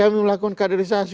kami melakukan kandarisasi